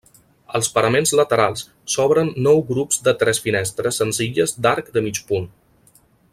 Als paraments laterals s'obren nou grups de tres finestres senzilles d'arc de mig punt.